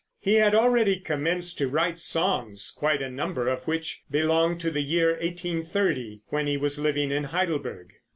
He had already commenced to write songs, quite a number of which belong to the year 1830, when he was living in Heidelberg.